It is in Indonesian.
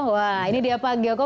wah ini dia pak geoko